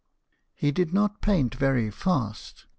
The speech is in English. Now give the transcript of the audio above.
He did not paint very fast.